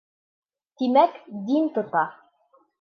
Тимәк, дин тота.